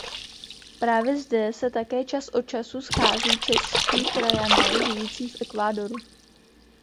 Právě zde se také čas od času schází čeští krajané žijící v Ekvádoru.